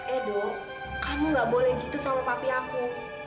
edo kamu gak boleh gitu solo papi aku